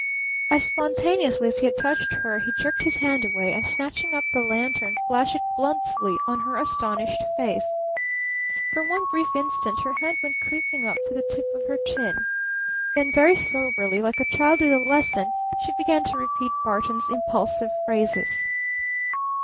As spontaneously as he had touched her he jerked his hand away, and, snatching up the lantern, flashed it bluntly on her astonished face. For one brief instant her hand went creeping up to the tip of her chin. Then very soberly, like a child with a lesson, she began to repeat Barton's impulsive phrases.